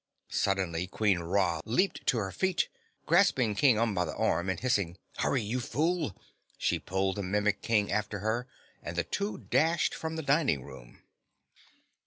Suddenly Queen Ra leaped to her feet. Grasping King Umb by the arm and hissing, "Hurry, you fool!" she pulled the Mimic King after her and the two dashed from the dining room.